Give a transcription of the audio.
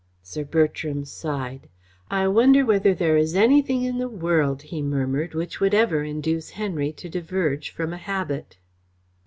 Sir Bertram sighed. "I wonder whether there is anything in the world," he murmured, "which would ever induce Henry to diverge from a habit?"